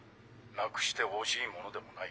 ・なくして惜しいものでもない。